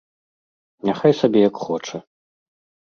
Няхай сабе як хоча.